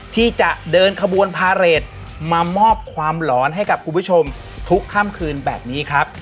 ที่จะเดินขบวนพาเรทมามอบความหลอนให้กับคุณผู้ชมทุกค่ำคืนแบบนี้ครับ